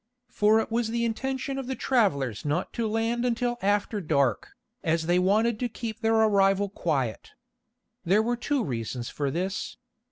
For it was the intention of the travelers not to land until after dark, as they wanted to keep their arrival quiet. There were two reasons for this.